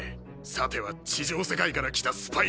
さては地上世界から来たスパイだな。